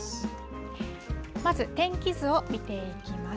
まず、天気図を見ていきます。